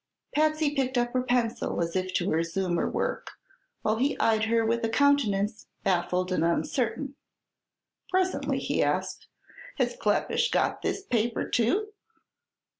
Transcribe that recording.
Patsy picked up her pencil as if to resume her work, while he eyed her with a countenance baffled and uncertain. Presently he asked: "Has Kleppish got this paper too?"